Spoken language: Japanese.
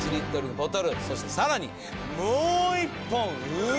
１ボトルそしてさらにもう１本！